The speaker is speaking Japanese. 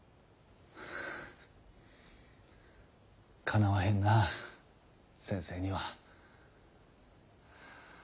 かなわへんなぁ先生には。